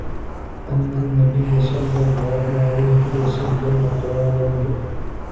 أنَّ النَّبيَّ صَلَّى اللهُ عَلَيْهِ وَسَلَّمَ قالَ: